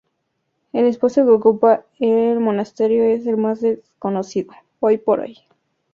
El espacio que ocupaba el monasterio es el más desconocido, hoy por hoy.